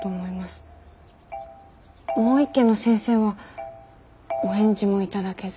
もう一件の先生はお返事も頂けず。